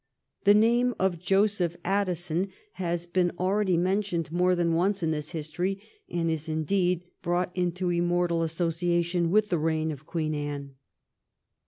The name of Joseph Addison has been already mentioned more than once in this history, and is indeed brought into immortal association with the reign of Queen Anne.